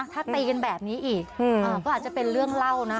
ถ้าตีกันแบบนี้อีกก็อาจจะเป็นเรื่องเล่านะ